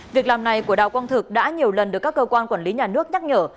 việc làm này của đào quang thực đã nhiều lần được các cơ quan quản lý nhà nước nhắc nhở